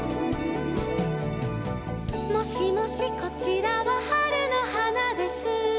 「もしもしこちらは春の花です」